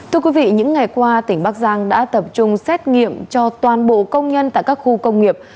thưa quý vị những ngày qua tỉnh bắc giang đã tập trung xét nghiệm cho toàn bộ công nhân tại các khu công nghiệp